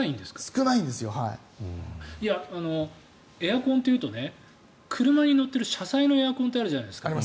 エアコンというと車に載っている車載のエアコンってあるじゃないですか